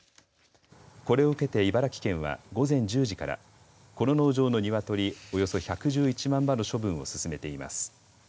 これを受けて茨城県は午前１０時からこの農場の鶏およそ１１１万羽の処分を進めています。